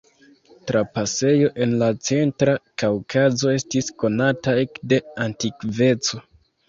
Trapasejo en la centra Kaŭkazo estis konata ekde antikveco.